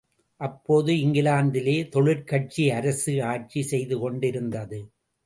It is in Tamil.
அப்போது, இங்கிலாந்திலே தொழிற்கட்சி அரசு ஆட்சி செய்து கொண்டிருந்தது.